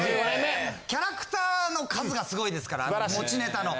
キャラクターの数がすごいですから持ちネタの。